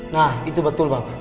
nah itu betul pak